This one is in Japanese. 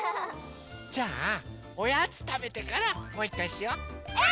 じゃあおやつたべてからもういっかいしよう。